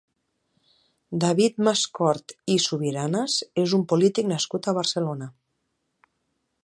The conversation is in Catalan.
David Mascort i Subiranas és un polític nascut a Barcelona.